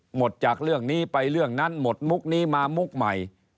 หมดจากเรื่องนี้ไปเรื่องนั้นหมดมุกนี้มามุกใหม่